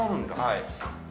はい。